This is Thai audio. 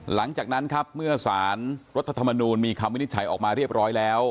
หลังจากนั้นครับเมื่อสารรัฐธรรมนูลมีคำวินิจฉัยออกมาเรียบร้อยแล้ว